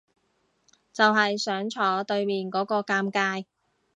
就係想坐對面嗰個尷尬